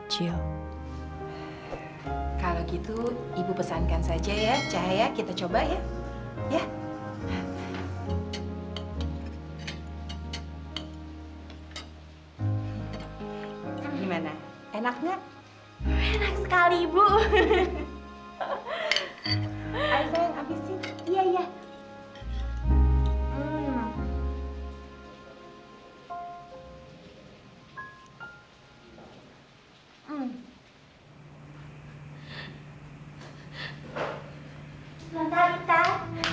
jangan coba coba mendekat